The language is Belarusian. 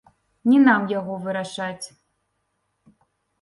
Не нам яго вырашаць.